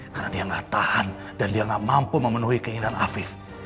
karena dia gak tahan dan dia gak mampu memenuhi keinginan afif